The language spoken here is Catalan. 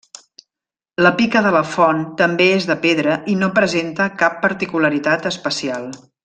La pica de la font també és de pedra i no presenta cap particularitat especial.